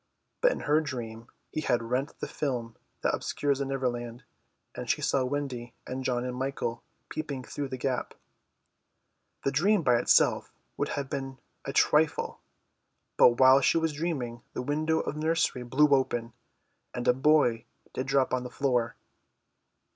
But in her dream he had rent the film that obscures the Neverland, and she saw Wendy and John and Michael peeping through the gap. The dream by itself would have been a trifle, but while she was dreaming the window of the nursery blew open, and a boy did drop on the floor.